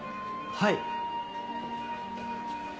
はい。